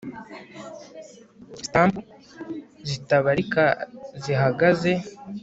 stump zitabarika zihagaze